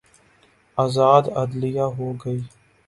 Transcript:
آزاد عدلیہ ہو گی۔